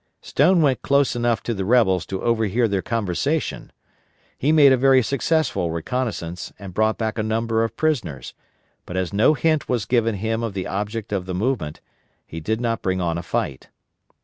Stone went close enough to the rebels to overhear their conversation. He made a very successful reconnoissance and brought back a number of prisoners, but as no hint was given him of the object of the movement, he did not bring on a fight.